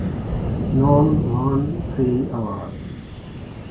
Noll won three awards.